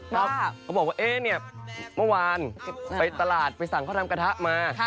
เขาบอกว่าเอ๊ะเนี่ยเมื่อวานไปตลาดไปสั่งเขาทำกระทะมา